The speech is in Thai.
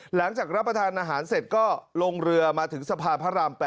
หลังจากรับประทานอาหารเสร็จก็ลงเรือมาถึงสะพานพระราม๘